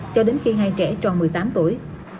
cho đến khi hai trẻ tròn một mươi tám tuổi